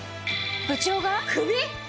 部長がクビ？